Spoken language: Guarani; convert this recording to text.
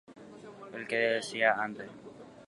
he'iva'ekue upeichaite avei ha ndohasáiva upégui.